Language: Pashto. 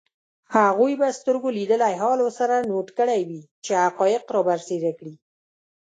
هغوی به سترګو لیدلی حال ورسره نوټ کړی وي چي حقایق رابرسېره کړي